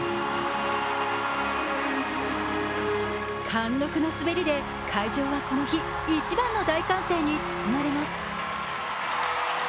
貫禄の滑りで会場はこの日一番の大歓声に包まれます。